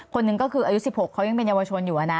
คนหนึ่งก็คืออายุ๑๖เขายังเป็นเยาวชนอยู่นะ